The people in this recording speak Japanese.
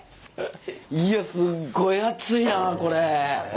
いやすっごい熱いやん。